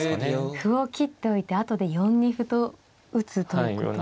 歩を切っておいて後で４二歩と打つということ。